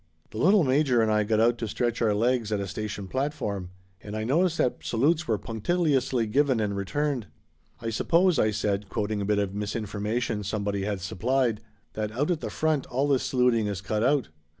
The little major and I got out to stretch our legs at a station platform, and I noticed that salutes were punctiliously given and returned. "I suppose," I said, quoting a bit of misinformation somebody had supplied, "that out at the front all this saluting is cut out."